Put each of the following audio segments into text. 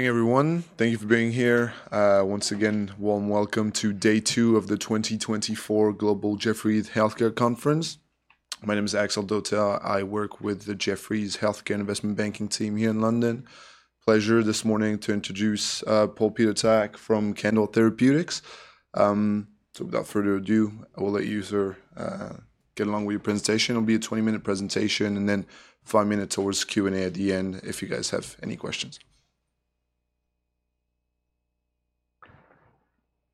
Morning, everyone. Thank you for being here. Once again, warm welcome to day two of the 2024 Global Jefferies Healthcare Conference. My name is Axel Dotter. I work with the Jefferies Healthcare Investment Banking team here in London. Pleasure this morning to introduce Paul Peter Tak from Candel Therapeutics. So without further ado, I will let you get along with your presentation. It'll be a 20-minute presentation and then five minutes towards Q&A at the end if you guys have any questions.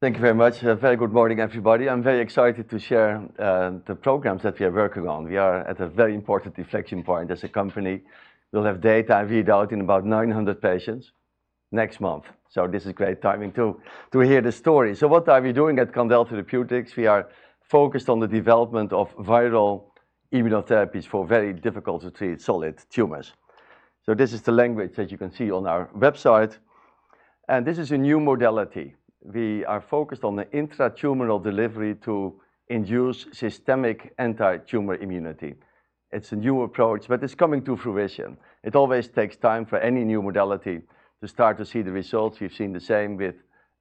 Thank you very much. A very good morning, everybody. I'm very excited to share the programs that we are working on. We are at a very important inflection point as a company. We'll have data read out in about 900 patients next month. This is great timing to hear the story. What are we doing at Candel Therapeutics? We are focused on the development of viral immunotherapies for very difficult-to-treat solid tumors. This is the language that you can see on our website. This is a new modality. We are focused on the intra-tumoral delivery to induce systemic anti-tumor immunity. It's a new approach, but it's coming to fruition. It always takes time for any new modality to start to see the results. We've seen the same with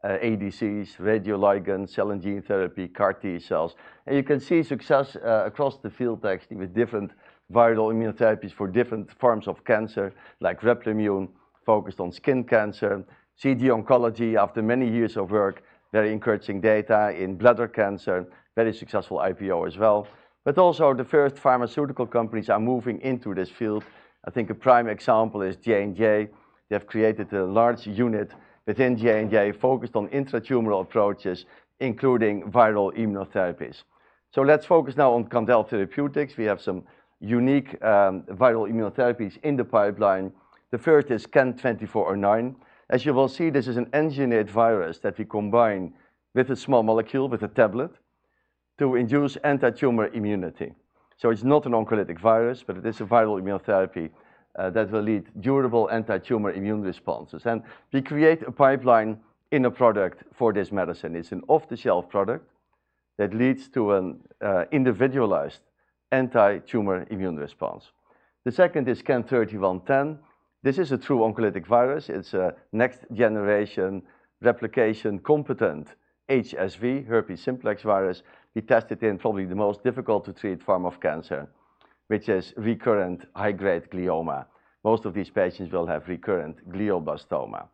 ADCs, radioligand, cell and gene therapy, CAR T cells. You can see success across the field actually with different viral immunotherapies for different forms of cancer, like Replimune, focused on skin cancer, CG Oncology after many years of work, very encouraging data in bladder cancer, very successful IPO as well. But also the first pharmaceutical companies are moving into this field. I think a prime example is J&J. They have created a large unit within J&J focused on intra-tumoral approaches, including viral immunotherapies. So let's focus now on Candel Therapeutics. We have some unique viral immunotherapies in the pipeline. The first is CAN-2409. As you will see, this is an engineered virus that we combine with a small molecule with a tablet to induce anti-tumor immunity. So it's not an oncolytic virus, but it is a viral immunotherapy that will lead to durable anti-tumor immune responses. And we create a pipeline in a product for this medicine. It's an off-the-shelf product that leads to an individualized anti-tumor immune response. The second is CAN-3110. This is a true oncolytic virus. It's a next-generation replication-competent HSV, Herpes simplex virus. We test it in probably the most difficult-to-treat form of cancer, which is recurrent high-grade glioma. Most of these patients will have recurrent glioblastoma.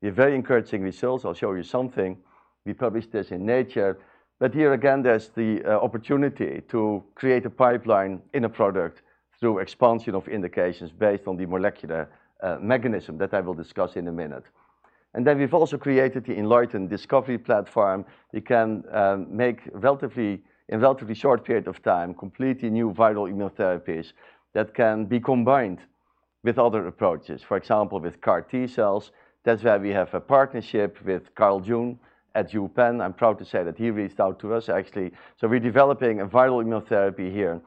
We have very encouraging results. I'll show you something. We published this in Nature. But here again, there's the opportunity to create a pipeline in a product through expansion of indications based on the molecular mechanism that I will discuss in a minute. And then we've also created the enLIGHTEN Discovery Platform. We can make in a relatively short period of time completely new viral immunotherapies that can be combined with other approaches, for example, with CAR T cells. That's why we have a partnership with Carl June at UPenn. I'm proud to say that he reached out to us, actually. So we're developing a viral immunotherapy here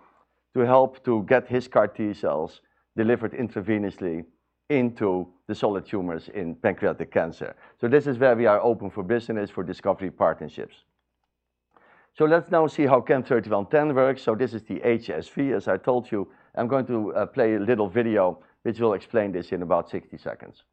to help to get his CAR T cells delivered intravenously into the solid tumors in pancreatic cancer. So this is where we are open for business, for discovery partnerships. So let's now see how CAN-3110 works. So this is the HSV, as I told you. I'm going to play a little video which will explain this in about 60 seconds.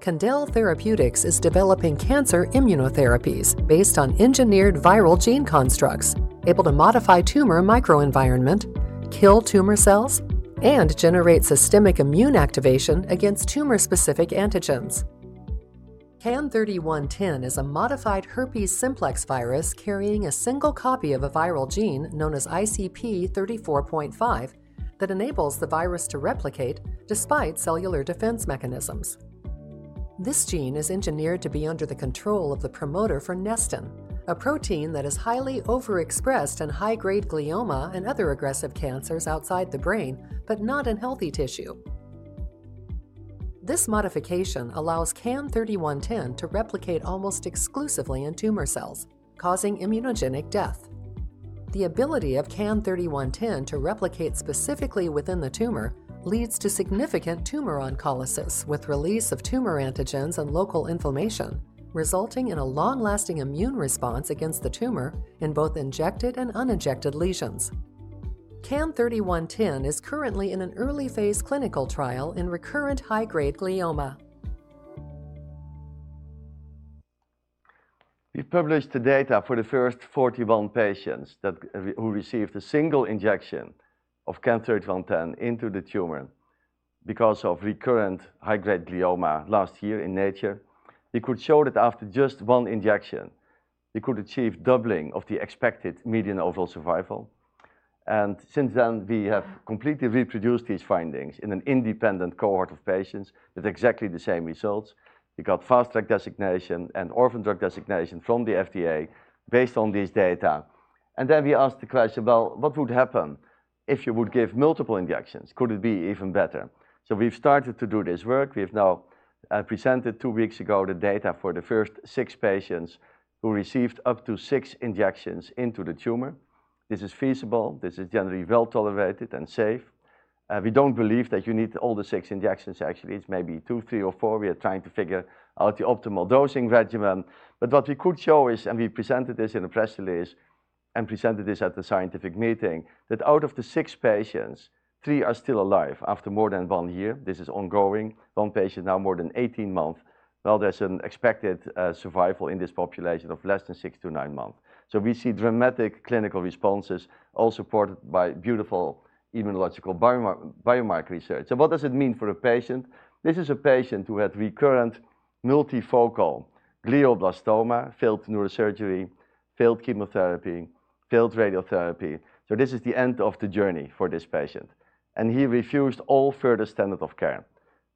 Candel Therapeutics is developing cancer immunotherapies based on engineered viral gene constructs able to modify tumor microenvironment, kill tumor cells, and generate systemic immune activation against tumor-specific antigens. CAN-3110 is a modified herpes simplex virus carrying a single copy of a viral gene known as ICP34.5 that enables the virus to replicate despite cellular defense mechanisms. This gene is engineered to be under the control of the promoter for Nestin, a protein that is highly overexpressed in high-grade glioma and other aggressive cancers outside the brain, but not in healthy tissue. This modification allows CAN-3110 to replicate almost exclusively in tumor cells, causing immunogenic death. The ability of CAN-3110 to replicate specifically within the tumor leads to significant tumor oncolysis with release of tumor antigens and local inflammation, resulting in a long-lasting immune response against the tumor in both injected and uninjected lesions. CAN-3110 is currently in an early-phase clinical trial in recurrent high-grade glioma. We've published the data for the first 41 patients who received a single injection of CAN-3110 into the tumor because of recurrent high-grade glioma last year in Nature. We could show that after just one injection, we could achieve doubling of the expected median overall survival, and since then, we have completely reproduced these findings in an independent cohort of patients with exactly the same results. We got Fast Track designation and orphan drug designation from the FDA based on these data, and then we asked the question, well, what would happen if you would give multiple injections? Could it be even better, so we've started to do this work. We have now presented, two weeks ago, the data for the first six patients who received up to six injections into the tumor. This is feasible. This is generally well tolerated and safe. We don't believe that you need all the six injections, actually. It's maybe two, three, or four. We are trying to figure out the optimal dosing regimen. But what we could show is, and we presented this in a press release and presented this at the scientific meeting, that out of the six patients, three are still alive after more than one year. This is ongoing. One patient now more than 18 months. Well, there's an expected survival in this population of less than six to nine months. So we see dramatic clinical responses all supported by beautiful immunological biomarker research. So what does it mean for a patient? This is a patient who had recurrent multifocal glioblastoma, failed neurosurgery, failed chemotherapy, failed radiotherapy. So this is the end of the journey for this patient. And he refused all further standard of care.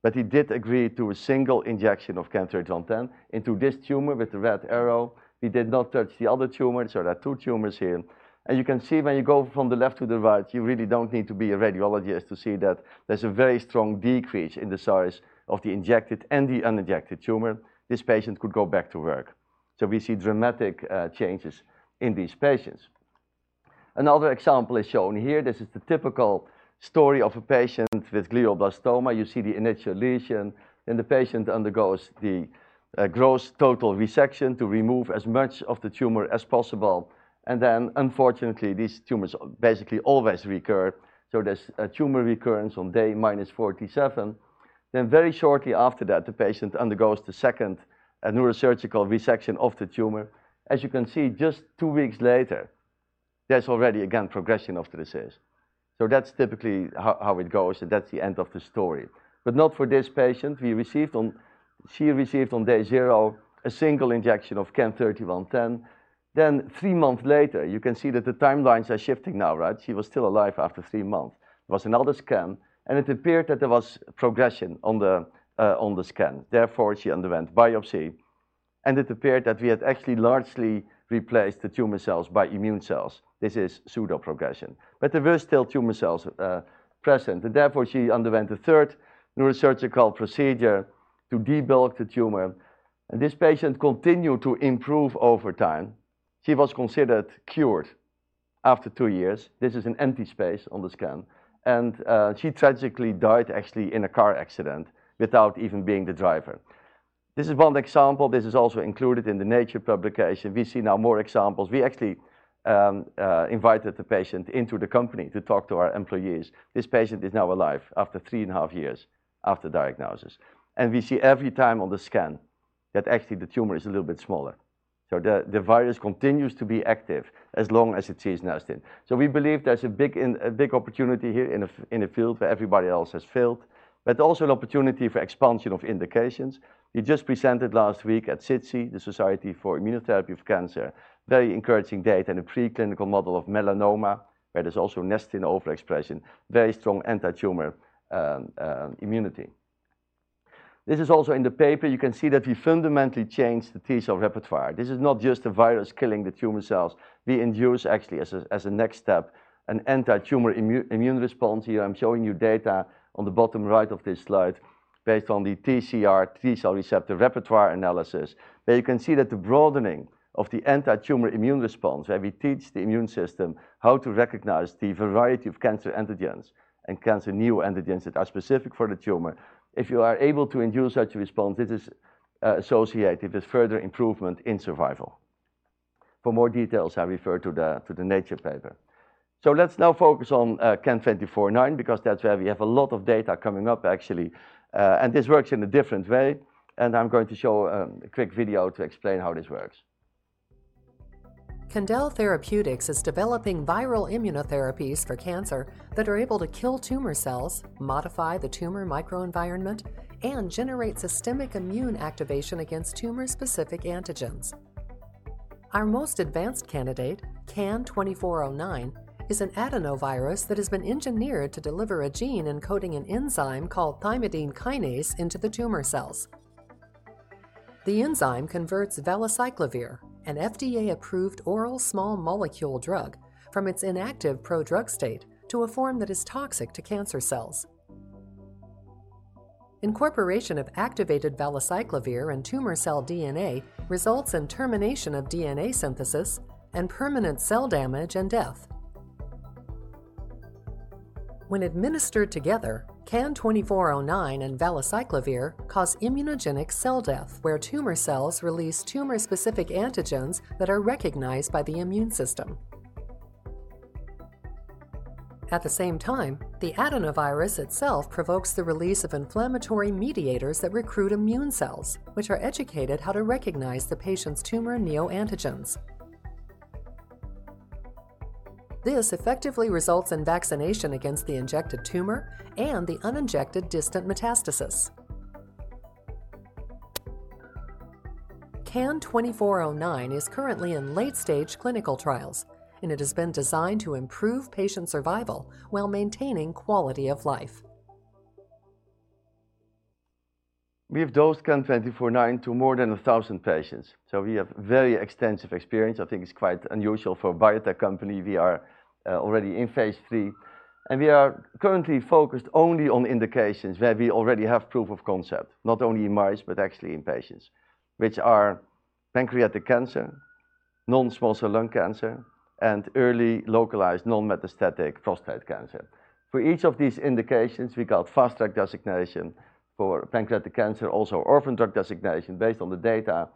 But he did agree to a single injection of CAN-3110 into this tumor with the red arrow. We did not touch the other tumor. So there are two tumors here. And you can see when you go from the left to the right, you really don't need to be a radiologist to see that there's a very strong decrease in the size of the injected and the uninjected tumor. This patient could go back to work. So we see dramatic changes in these patients. Another example is shown here. This is the typical story of a patient with glioblastoma. You see the initial lesion. Then the patient undergoes the gross total resection to remove as much of the tumor as possible. And then, unfortunately, these tumors basically always recur. So there's a tumor recurrence on day minus 47. Then very shortly after that, the patient undergoes the second neurosurgical resection of the tumor. As you can see, just two weeks later, there's already, again, progression of the disease. So that's typically how it goes, and that's the end of the story, but not for this patient. She received on day zero a single injection of CAN-3110. Then three months later, you can see that the timelines are shifting now, right? She was still alive after three months. There was another scan, and it appeared that there was progression on the scan. Therefore, she underwent biopsy, and it appeared that we had actually largely replaced the tumor cells by immune cells. This is pseudoprogression, but there were still tumor cells present. And therefore, she underwent a third neurosurgical procedure to debulk the tumor, and this patient continued to improve over time. She was considered cured after two years. This is an empty space on the scan, and she tragically died actually in a car accident without even being the driver. This is one example. This is also included in the Nature publication. We see now more examples. We actually invited the patient into the company to talk to our employees. This patient is now alive after three and a half years after diagnosis, and we see every time on the scan that actually the tumor is a little bit smaller, so the virus continues to be active as long as it sees Nestin, so we believe there's a big opportunity here in a field where everybody else has failed, but also an opportunity for expansion of indications. We just presented last week at SITC, the Society for Immunotherapy of Cancer, very encouraging data and a preclinical model of melanoma where there's also Nestin overexpression, very strong anti-tumor immunity. This is also in the paper. You can see that we fundamentally changed the T cell repertoire. This is not just a virus killing the tumor cells. We induce actually as a next step an anti-tumor immune response. Here, I'm showing you data on the bottom right of this slide based on the TCR, T cell receptor repertoire analysis. There you can see that the broadening of the anti-tumor immune response where we teach the immune system how to recognize the variety of cancer antigens and cancer new antigens that are specific for the tumor. If you are able to induce such a response, this is associated with further improvement in survival. For more details, I refer to the Nature paper, so let's now focus on CAN-2409 because that's where we have a lot of data coming up, actually, and this works in a different way, and I'm going to show a quick video to explain how this works. Candel Therapeutics is developing viral immunotherapies for cancer that are able to kill tumor cells, modify the tumor microenvironment, and generate systemic immune activation against tumor-specific antigens. Our most advanced candidate, CAN-2409, is an adenovirus that has been engineered to deliver a gene encoding an enzyme called thymidine kinase into the tumor cells. The enzyme converts valacyclovir, an FDA-approved oral small molecule drug, from its inactive pro-drug state to a form that is toxic to cancer cells. Incorporation of activated valacyclovir and tumor cell DNA results in termination of DNA synthesis and permanent cell damage and death. When administered together, CAN-2409 and valacyclovir cause immunogenic cell death where tumor cells release tumor-specific antigens that are recognized by the immune system. At the same time, the adenovirus itself provokes the release of inflammatory mediators that recruit immune cells, which are educated how to recognize the patient's tumor neoantigens. This effectively results in vaccination against the injected tumor and the uninjected distant metastasis. CAN-2409 is currently in late-stage clinical trials, and it has been designed to improve patient survival while maintaining quality of life. We have dosed CAN-2409 to more than a thousand patients. So we have very extensive experience. I think it's quite unusual for a biotech company. We are already in phase 3. And we are currently focused only on indications where we already have proof of concept, not only in mice, but actually in patients which are pancreatic cancer, non-small cell lung cancer, and early localized non-metastatic prostate cancer. For each of these indications, we got Fast Track designation for pancreatic cancer, also orphan drug designation based on the data,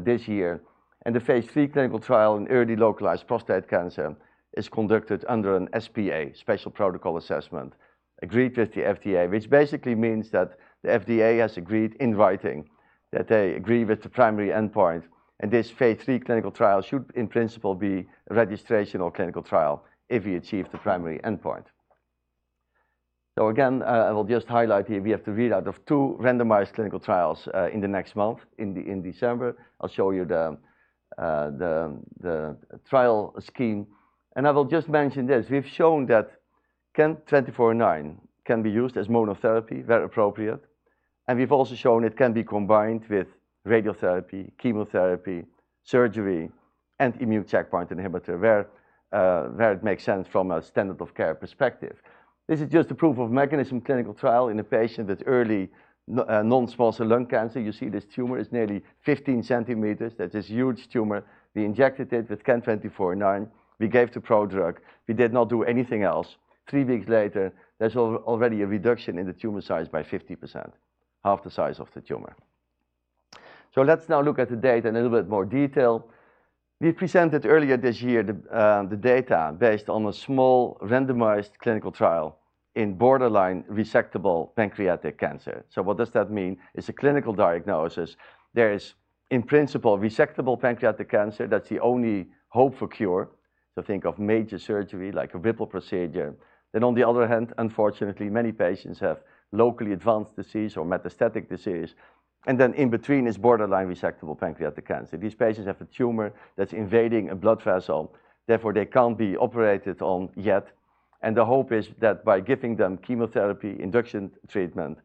this year. And the phase 3 clinical trial in early localized prostate cancer is conducted under an SPA, Special Protocol Assessment, agreed with the FDA, which basically means that the FDA has agreed in writing that they agree with the primary endpoint. And this phase three clinical trial should, in principle, be a registration or clinical trial if we achieve the primary endpoint. So again, I will just highlight here, we have to read out of two randomized clinical trials, in the next month, in December. I'll show you the trial scheme. And I will just mention this. We've shown that CAN-2409 can be used as monotherapy, very appropriate. And we've also shown it can be combined with radiotherapy, chemotherapy, surgery, and immune checkpoint inhibitor where it makes sense from a standard of care perspective. This is just a proof of mechanism clinical trial in a patient with early non-small cell lung cancer. You see this tumor is nearly 15 centimeters. That's a huge tumor. We injected it with CAN-2409. We gave the pro-drug. We did not do anything else. Three weeks later, there's already a reduction in the tumor size by 50%, half the size of the tumor. So let's now look at the data in a little bit more detail. We presented earlier this year the data based on a small randomized clinical trial in borderline resectable pancreatic cancer. So what does that mean? It's a clinical diagnosis. There is, in principle, resectable pancreatic cancer. That's the only hope for cure. So think of major surgery like a Whipple procedure. Then, on the other hand, unfortunately, many patients have locally advanced disease or metastatic disease. And then in between is borderline resectable pancreatic cancer. These patients have a tumor that's invading a blood vessel. Therefore, they can't be operated on yet. The hope is that by giving them chemotherapy induction treatment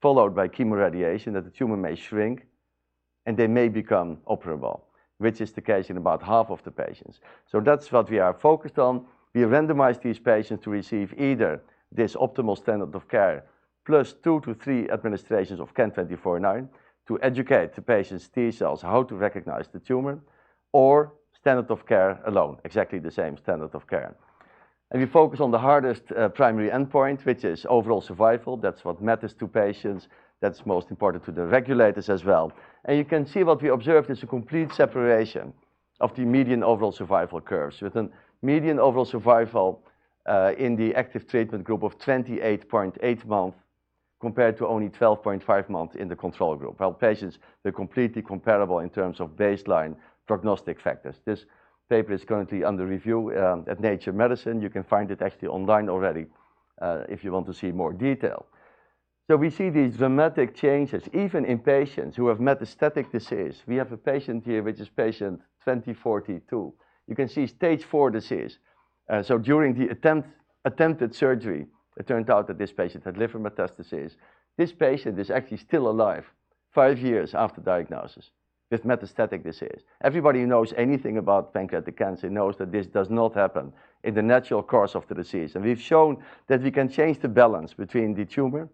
followed by chemoradiation, that the tumor may shrink and they may become operable, which is the case in about half of the patients. So that's what we are focused on. We randomize these patients to receive either this optimal standard of care plus two to three administrations of CAN-2409 to educate the patient's T cells how to recognize the tumor or standard of care alone, exactly the same standard of care. And we focus on the hardest, primary endpoint, which is overall survival. That's what matters to patients. That's most important to the regulators as well. And you can see what we observed. It's a complete separation of the median overall survival curves with a median overall survival, in the active treatment group of 28.8 months compared to only 12.5 months in the control group. Patients, they're completely comparable in terms of baseline prognostic factors. This paper is currently under review at Nature Medicine. You can find it actually online already, if you want to see more detail. So we see these dramatic changes even in patients who have metastatic disease. We have a patient here, which is patient 2042. You can see stage four disease. So, during the attempted surgery, it turned out that this patient had liver metastasis. This patient is actually still alive five years after diagnosis with metastatic disease. Everybody who knows anything about pancreatic cancer knows that this does not happen in the natural course of the disease. And we've shown that we can change the balance between the tumor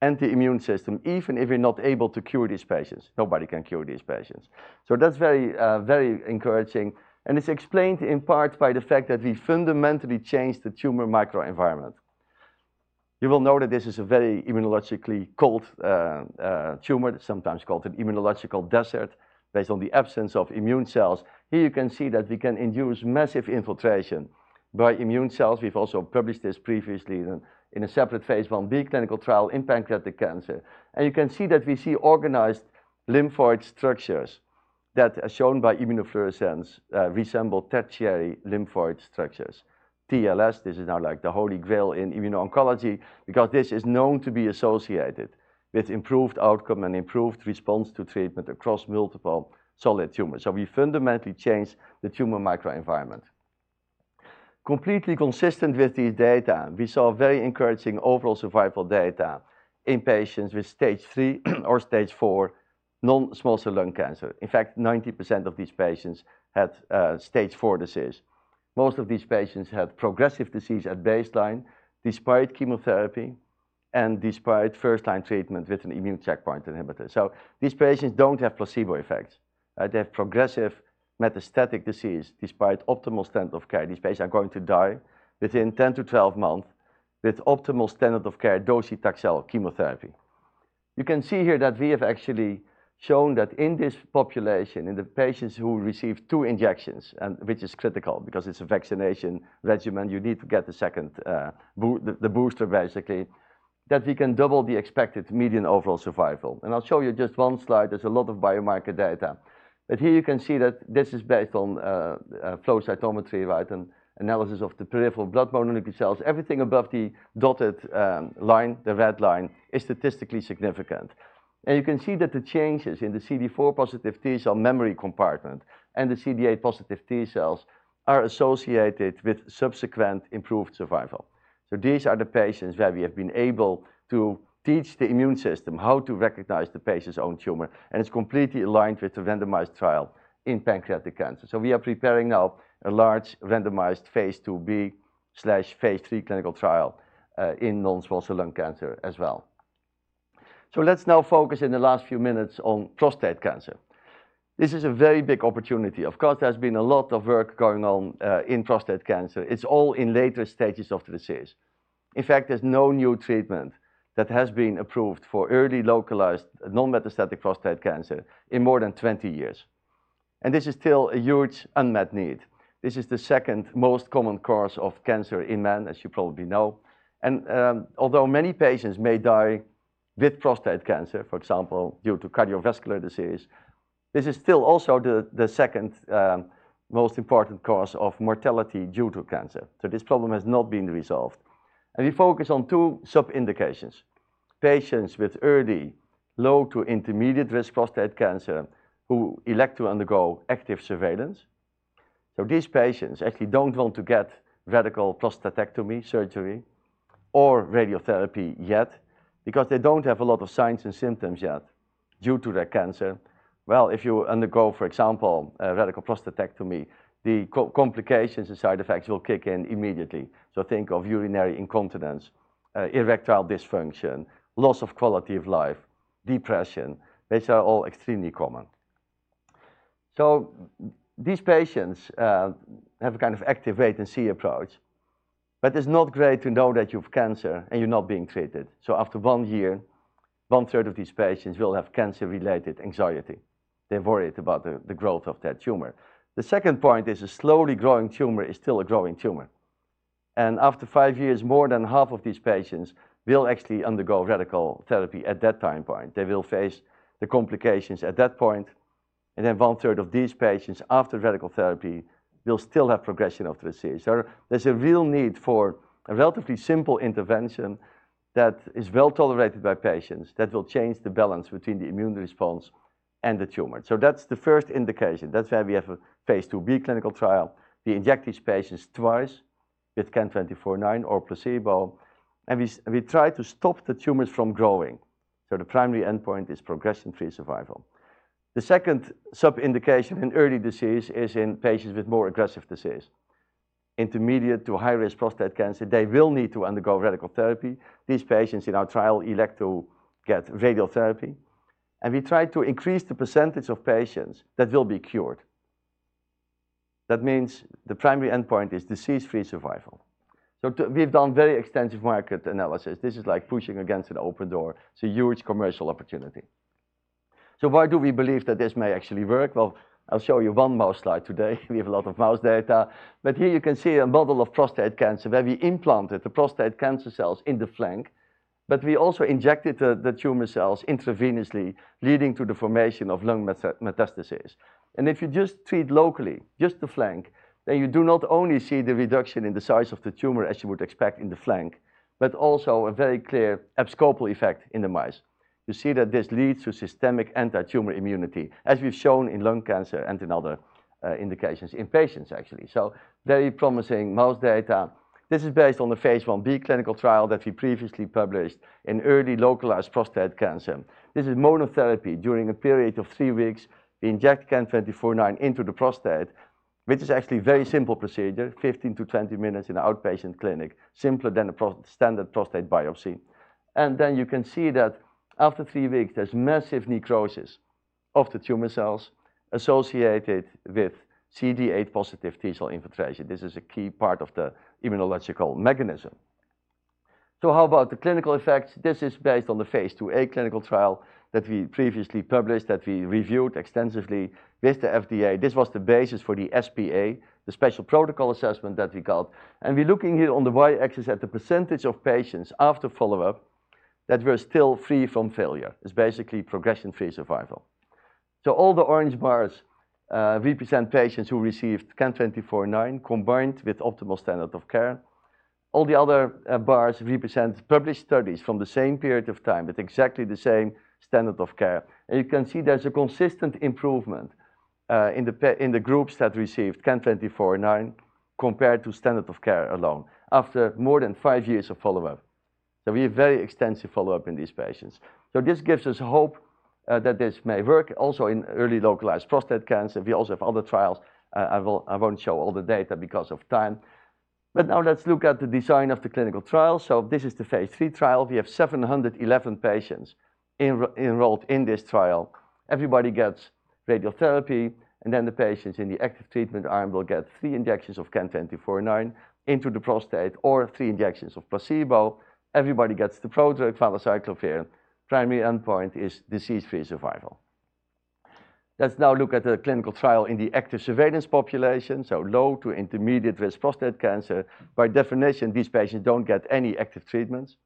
and the immune system, even if we're not able to cure these patients. Nobody can cure these patients. So that's very, very encouraging. It's explained in part by the fact that we fundamentally changed the tumor microenvironment. You will know that this is a very immunologically cold tumor, sometimes called an immunological desert based on the absence of immune cells. Here you can see that we can induce massive infiltration by immune cells. We've also published this previously in a separate phase 1b clinical trial in pancreatic cancer. You can see that we see organized lymphoid structures that are shown by immunofluorescence, resemble tertiary lymphoid structures. TLS, this is now like the holy grail in immuno-oncology because this is known to be associated with improved outcome and improved response to treatment across multiple solid tumors. We fundamentally changed the tumor microenvironment. Completely consistent with these data, we saw very encouraging overall survival data in patients with stage three or stage four non-small cell lung cancer. In fact, 90% of these patients had stage four disease. Most of these patients had progressive disease at baseline despite chemotherapy and despite first-line treatment with an immune checkpoint inhibitor. So these patients don't have placebo effects. They have progressive metastatic disease despite optimal standard of care. These patients are going to die within 10-12 months with optimal standard of care dose of chemotherapy. You can see here that we have actually shown that in this population, in the patients who received two injections, and which is critical because it's a vaccination regimen, you need to get the second, the booster basically, that we can double the expected median overall survival. And I'll show you just one slide. There's a lot of biomarker data. But here you can see that this is based on flow cytometry, right? And analysis of the peripheral blood mononuclear cells. Everything above the dotted line, the red line, is statistically significant. And you can see that the changes in the CD4 positive T cell memory compartment and the CD8 positive T cells are associated with subsequent improved survival. So these are the patients where we have been able to teach the immune system how to recognize the patient's own tumor. And it's completely aligned with the randomized trial in pancreatic cancer. So we are preparing now a large randomized phase two B/phase three clinical trial in non-small cell lung cancer as well. So let's now focus, in the last few minutes, on prostate cancer. This is a very big opportunity. Of course, there's been a lot of work going on in prostate cancer. It's all in later stages of the disease. In fact, there's no new treatment that has been approved for early localized non-metastatic prostate cancer in more than 20 years. And this is still a huge unmet need. This is the second most common cause of cancer in men, as you probably know. And, although many patients may die with prostate cancer, for example, due to cardiovascular disease, this is still also the second most important cause of mortality due to cancer. So this problem has not been resolved. And we focus on two sub-indications. Patients with early, low to intermediate risk prostate cancer who elect to undergo active surveillance. So these patients actually don't want to get radical prostatectomy surgery or radiotherapy yet because they don't have a lot of signs and symptoms yet due to their cancer. If you undergo, for example, a radical prostatectomy, the complications and side effects will kick in immediately. Think of urinary incontinence, erectile dysfunction, loss of quality of life, depression. These are all extremely common. These patients have a kind of active wait-and-see approach, but it's not great to know that you have cancer and you're not being treated. After one year, one third of these patients will have cancer-related anxiety. They're worried about the growth of their tumor. The second point is a slowly growing tumor is still a growing tumor. After five years, more than half of these patients will actually undergo radical therapy at that time point. They will face the complications at that point. 1/3 of these patients after radical therapy will still have progression of disease. There's a real need for a relatively simple intervention that is well tolerated by patients that will change the balance between the immune response and the tumor. That's the first indication. That's why we have a phase 2B clinical trial. We inject these patients twice with CAN-2409 or placebo. And we try to stop the tumors from growing. The primary endpoint is progression-free survival. The second sub-indication in early disease is in patients with more aggressive disease, intermediate to high-risk prostate cancer. They will need to undergo radical therapy. These patients in our trial elect to get radiotherapy. And we try to increase the percentage of patients that will be cured. That means the primary endpoint is disease-free survival. We've done very extensive market analysis. This is like pushing against an open door. It's a huge commercial opportunity. Why do we believe that this may actually work? I'll show you one mouse slide today. We have a lot of mouse data. But here you can see a model of prostate cancer where we implanted the prostate cancer cells in the flank, but we also injected the tumor cells intravenously, leading to the formation of lung metastasis. If you just treat locally, just the flank, then you do not only see the reduction in the size of the tumor as you would expect in the flank, but also a very clear abscopal effect in the mice. You see that this leads to systemic anti-tumor immunity, as we've shown in lung cancer and in other indications in patients, actually. Very promising mouse data. This is based on the phase 1B clinical trial that we previously published in early localized prostate cancer. This is monotherapy during a period of three weeks. We inject CAN-2409 into the prostate, which is actually a very simple procedure, 15-20 minutes in an outpatient clinic, simpler than a standard prostate biopsy, and then you can see that after three weeks, there's massive necrosis of the tumor cells associated with CD8 positive T cell infiltration. This is a key part of the immunological mechanism, so how about the clinical effects? This is based on the phase 2A clinical trial that we previously published, that we reviewed extensively with the FDA. This was the basis for the SPA, the Special Protocol Assessment that we got, and we're looking here on the y-axis at the percentage of patients after follow-up that were still free from failure. It's basically progression-free survival. So all the orange bars represent patients who received CAN-2409 combined with optimal standard of care. All the other bars represent published studies from the same period of time with exactly the same standard of care, and you can see there's a consistent improvement in the groups that received CAN-2409 compared to standard of care alone after more than five years of follow-up, so we have very extensive follow-up in these patients, so this gives us hope that this may work also in early localized prostate cancer. We also have other trials. I won't show all the data because of time, but now let's look at the design of the clinical trial, so this is the phase three trial. We have 711 patients enrolled in this trial. Everybody gets radiotherapy, and then the patients in the active treatment arm will get three injections of CAN-2409 into the prostate or three injections of placebo. Everybody gets the prodrug valacyclovir. Primary endpoint is disease-free survival. Let's now look at the clinical trial in the active surveillance population. So low to intermediate risk prostate cancer. By definition, these patients don't get any active treatments.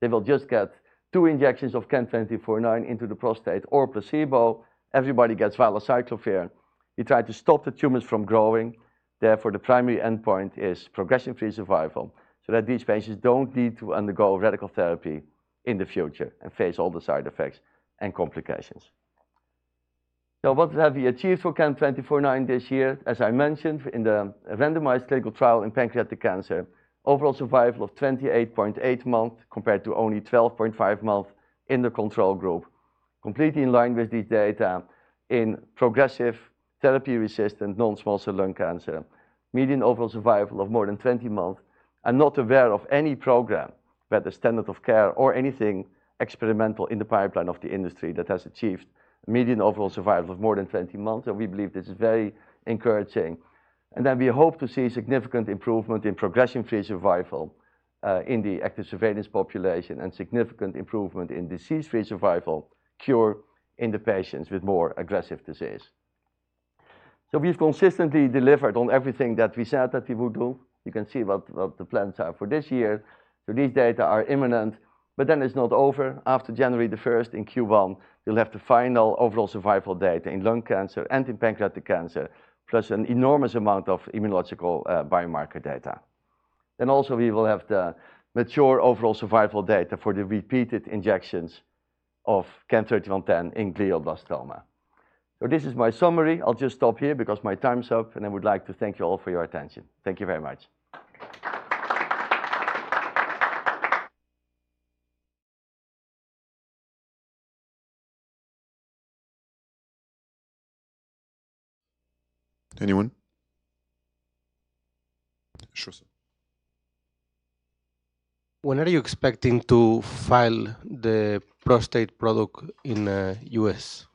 They will just get two injections of CAN-2409 into the prostate or placebo. Everybody gets valacyclovir. We try to stop the tumors from growing. Therefore, the primary endpoint is progression-free survival so that these patients don't need to undergo radical therapy in the future and face all the side effects and complications. So what have we achieved for CAN-2409 this year? As I mentioned in the randomized clinical trial in pancreatic cancer, overall survival of 28.8 months compared to only 12.5 months in the control group, completely in line with these data in progressive therapy-resistant non-small cell lung cancer, median overall survival of more than 20 months. I'm not aware of any program where the standard of care or anything experimental in the pipeline of the industry that has achieved a median overall survival of more than 20 months, and we believe this is very encouraging. Then we hope to see significant improvement in progression-free survival in the active surveillance population and significant improvement in disease-free survival, cure in the patients with more aggressive disease. We've consistently delivered on everything that we said that we would do. You can see what the plans are for this year. These data are imminent, but then it's not over. After January the 1st in Q1, we'll have the final overall survival data in lung cancer and in pancreatic cancer, plus an enormous amount of immunological, biomarker data. Also we will have the mature overall survival data for the repeated injections of CAN-3110 in glioblastoma. So this is my summary. I'll just stop here because my time's up, and I would like to thank you all for your attention. Thank you very much. Anyone? Sure, sir. When are you expecting to file the prostate product in the U.S.?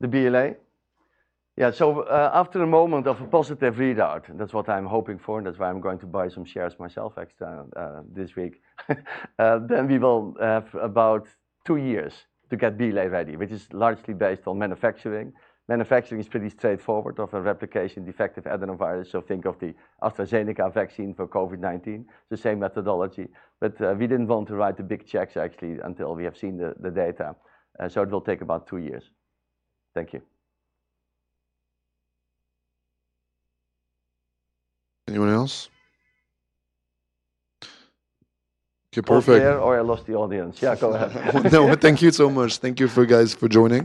The BLA? Yeah. So, after the moment of a positive readout, and that's what I'm hoping for, and that's why I'm going to buy some shares myself extra, this week, then we will have about two years to get BLA ready, which is largely based on manufacturing. Manufacturing is pretty straightforward of a replication defective adenovirus. So think of the AstraZeneca vaccine for COVID-19. It's the same methodology. But, we didn't want to write the big checks actually until we have seen the data. So it will take about two years. Thank you. Anyone else? Okay, perfect. Or I lost the audience. Yeah, go ahead. No, thank you so much. Thank you, guys, for joining.